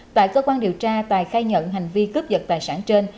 tại cơ quan điều tra tài khai nhận hành vi cướp dật tài sản trên